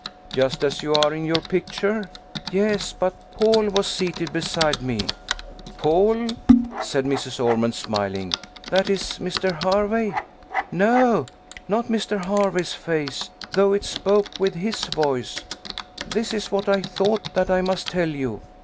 "Just as you are in your picture?" "Yes: but Paul was seated beside me." "Paul!" said Mrs. Ormond, smiling: "that is Mr. Hervey." "No; not Mr. Hervey's face, though it spoke with his voice this is what I thought that I must tell you.